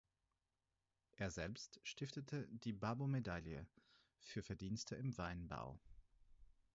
Er selbst stiftete die "Babo-Medaille" für Verdienste im Weinbau.